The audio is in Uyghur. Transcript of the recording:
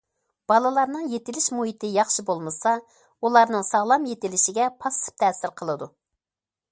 بالىلارنىڭ يېتىلىش مۇھىتى ياخشى بولمىسا، ئۇلارنىڭ ساغلام يېتىلىشىگە پاسسىپ تەسىر قىلىدۇ.